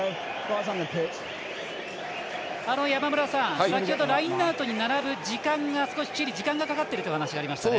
山村さん、先ほどラインアウトに並ぶ時間が少しチリが時間がかかってるという話がありましたね。